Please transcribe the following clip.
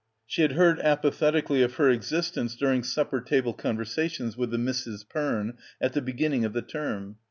She had heard apathetically of her existence during supper table conversations with the Misses Perne at the beginning of the term.